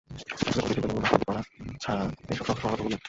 আসলে কঠিন সিদ্ধান্ত নিয়ে বাস্তবায়ন করা ছাড়া এসব সমস্যার সমাধান সম্ভব না।